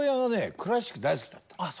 クラシック大好きだったの。